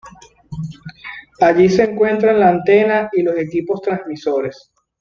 Allí se encuentran la antena y los equipos transmisores.